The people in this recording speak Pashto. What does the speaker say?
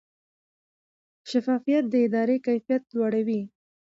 شفافیت د ادارې کیفیت لوړوي.